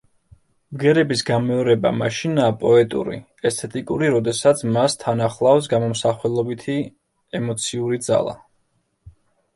ბგერების გამეორება მაშინაა პოეტური, ესთეტიკური როდესაც მას თან ახლავს გამომსახველობითი ემოციური ძალა.